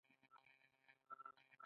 لږه موده دې خوا ها خوا وګرځېد.